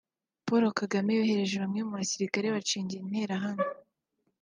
Paul Kagame yohereje bamwe mu basirikare be bacengera Interahamwe